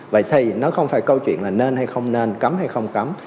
vậy thì nó không phải câu chuyện là nên hay không nên cấm hay không cấm